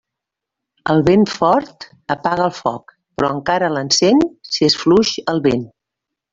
El vent fort apaga el foc, però encara l'encén si és fluix el vent.